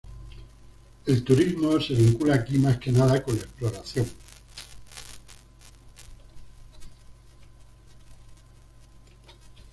El turismo se vincula aquí más que nada con la exploración.